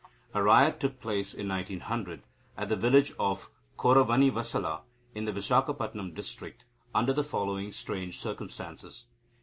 A riot took place, in 1900, at the village of Korravanivasala in the Vizagapatam district, under the following strange circumstances.